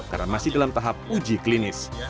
karena masih dalam tahap uji klinis